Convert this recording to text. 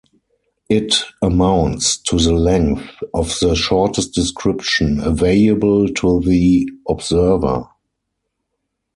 It amounts to the length of the shortest description "available to the observer".